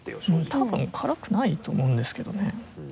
多分辛くないと思うんですけどね